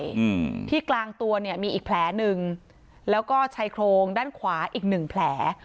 อืมที่กลางตัวเนี้ยมีอีกแผลหนึ่งแล้วก็ชายโครงด้านขวาอีกหนึ่งแผล